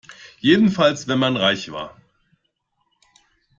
Jedenfalls wenn man reich war.